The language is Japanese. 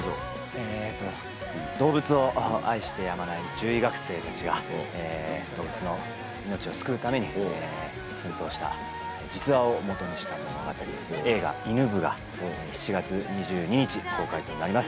えっと動物を愛してやまない獣医学生たちが動物の命を救うために奮闘した実話をもとにした物語映画『犬部！』が７月２２日公開となります。